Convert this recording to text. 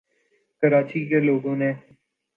کراچی کے لوگوں نے